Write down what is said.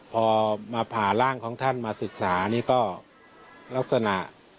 พอมาผ่าร่างของท่านมาศึกษานี่ก็ลักษณะ